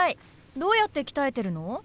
どうやって鍛えてるの？